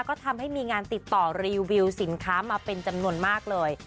ก็ทำให้มีงานติดต่อรีวิวสินค้ามาเป็นจำนวนมากเลย